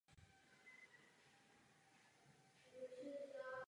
Směrnice by se také měla vztahovat na každého.